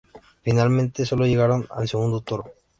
Finalmente solo llegaron al segundo toro.